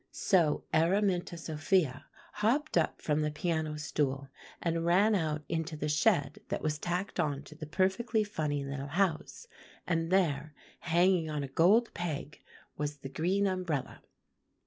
"So Araminta Sophia hopped up from the piano stool, and ran out into the shed that was tacked onto the perfectly funny little house; and there, hanging on a gold peg, was the green umbrella."